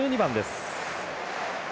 １２番です。